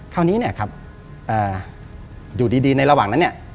คราวนี้เนี่ยครับอยู่ดีในระหว่างนั้นเนี่ย